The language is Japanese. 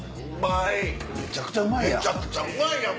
めちゃくちゃうまいやん！